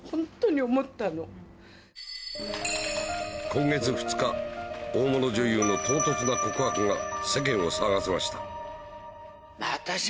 今月２日大物女優の唐突な告白が世間を騒がせました